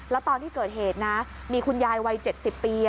แล้วตอนที่เกิดเหตุนะมีคุณยายวัย๗๐ปี